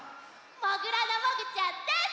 もぐらのもぐちゃんです！